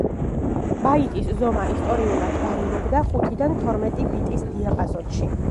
ბაიტის ზომა ისტორიულად ვარირებდა ხუთიდან თორმეტი ბიტის დიაპაზონში.